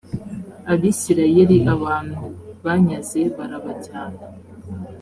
abisirayeli abantu banyaze barabajyana